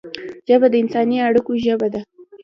ژبه د انساني اړیکو ژبه ده